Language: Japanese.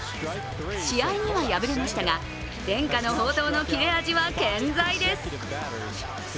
試合には敗れましたが、伝家の宝刀の切れ味は健在です。